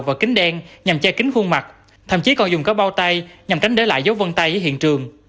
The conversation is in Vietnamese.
và kính đen nhằm che kính khuôn mặt thậm chí còn dùng có bao tay nhằm tránh để lại dấu vân tay ở hiện trường